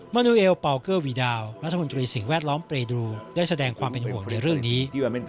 นูเอลปอลเกอร์วีดาวรัฐมนตรีสิ่งแวดล้อมเปรดรูได้แสดงความเป็นห่วงในเรื่องนี้